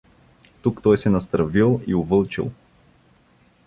Тук той се настървил и увълчил.